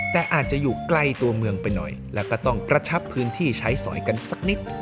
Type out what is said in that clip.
แต่อาจจะอยู่ใกล้ตัวเมืองไปหน่อยแล้วก็ต้องกระชับพื้นที่ใช้สอยกันสักนิด